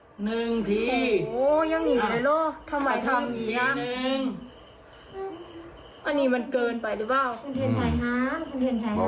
หนึ่งทีโหยังอยู่อยู่เนี่ยเล่ม